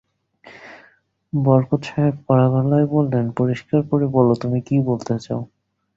বরকত সাহেব কড়া গলায় বললেন, পরিষ্কার করে বল, তুমি কী বলতে চাও।